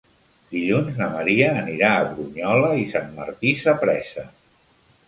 Dilluns na Maria anirà a Brunyola i Sant Martí Sapresa.